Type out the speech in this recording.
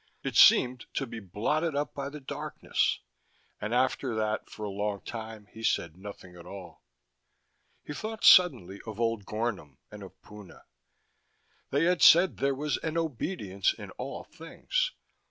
It seemed to be blotted up by the darkness. And after that, for a long time, he said nothing at all. He thought suddenly of old Gornom, and of Puna. They had said there was an obedience in all things.